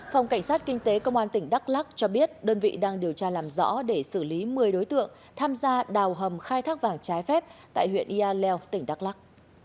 phòng cảnh sát kinh tế công an tỉnh đắk lắc cho biết đơn vị đang điều tra làm rõ để xử lý một mươi đối tượng tham gia đào hầm khai thác vàng trái phép tại huyện yà leo tỉnh đắk lắc